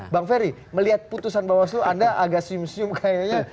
bang ferry melihat putusan bawaslu anda agak sim sim kayaknya